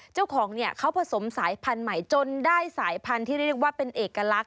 เจ้าของเนี่ยเขาผสมสายพันธุ์ใหม่จนได้สายพันธุ์ที่เรียกว่าเป็นเอกลักษ